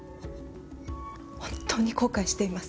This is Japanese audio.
本当に後悔しています。